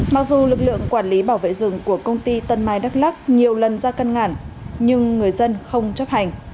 mặc dù lực lượng quản lý bảo vệ rừng của công ty tân mai đắk lắc nhiều lần ra căn ngản nhưng người dân không chấp hành